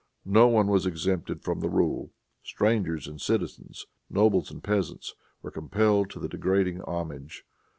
No one was exempted from the rule. Strangers and citizens, nobles and peasants, were compelled to the degrading homage.